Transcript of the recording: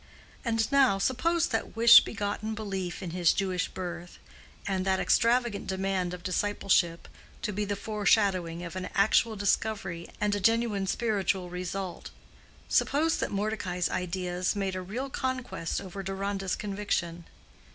And now, suppose that wish begotten belief in his Jewish birth, and that extravagant demand of discipleship, to be the foreshadowing of an actual discovery and a genuine spiritual result: suppose that Mordecai's ideas made a real conquest over Deronda's conviction?